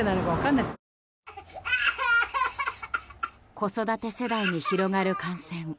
子育て世代に広がる感染。